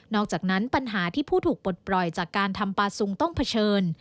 อกจากนั้นปัญหาที่ผู้ถูกปลดปล่อยจากการทำปลาซุงต้องเผชิญ